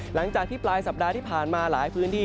หลังจากที่ปลายสัปดาห์ที่ผ่านมาหลายพื้นที่